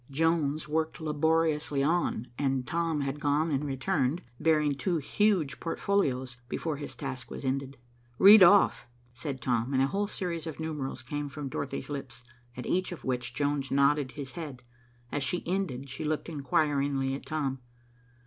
Jones worked laboriously on, and Tom had gone and returned, bearing two huge portfolios, before his task was ended. "Read off," said Tom, and a whole series of numerals came from Dorothy's lips, at each of which Jones nodded his head. As she ended she looked inquiringly at Tom.